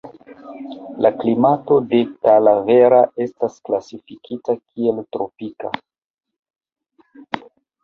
La klimato de Talavera estas klasifikita kiel tropika.